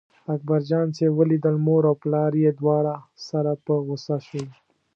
اکبر جان چې ولیدل مور او پلار یې دواړه سره په غوسه شول.